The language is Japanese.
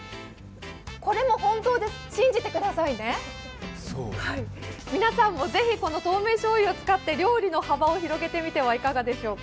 これも本当です、信じてくださいね皆さんもぜひこの透明醤油を使って料理の幅を広げてみてはいかがでしょうか。